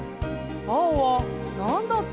青はなんだっけ？」